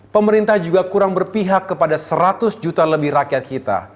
pemerintah juga kurang berpihak kepada seratus juta lebih rakyat kita